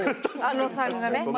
あのさんがね。